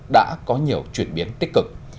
đã có nhiều chuyển biến tích cực